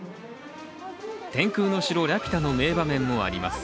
「天空の城ラピュタ」の名場面もあります。